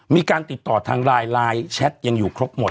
มีการติดต่อทางไลน์ไลน์แชทยังอยู่ครบหมด